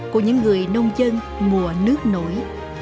của những người nông dân mùa nước nổi